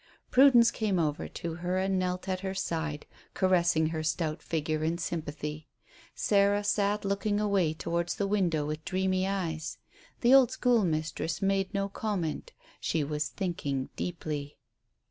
Prudence came over to her and knelt at her side, caressing her stout figure in sympathy. Sarah sat looking away towards the window with dreamy eyes. The old school mistress made no comment; she was thinking deeply.